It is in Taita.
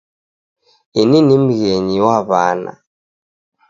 Ini ni mghenyi wa w'ana.